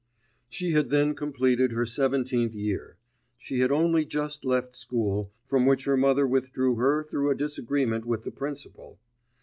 She had then completed her seventeenth year; she had only just left school, from which her mother withdrew her through a disagreement with the principal.